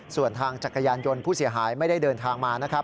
ส่วนทางจักรยานยนต์ผู้เสียหายไม่ได้เดินทางมานะครับ